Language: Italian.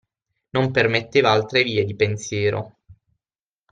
Non permetteva altre vie di pensiero.